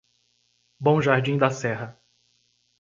Bom Jardim da Serra